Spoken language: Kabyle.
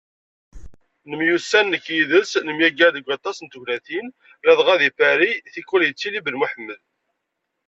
Nemyussan nekk yid-s, nemyaggar deg waṭas n tegnatin, ladɣa deg Paris, tikwal yettili Ben Muḥemmed.